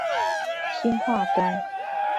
新化端